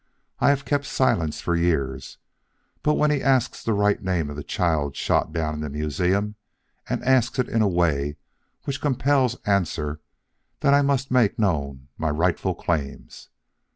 I have kept silence for years; but when he asks the right name of the child shot down in the museum, and asks it in a way which compels answer, then I must make known my rightful claims.